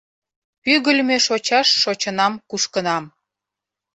- Пӱгыльмӧ шочаш шочынам-кушкынам.